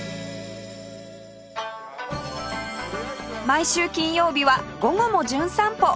毎週金曜日は『午後もじゅん散歩』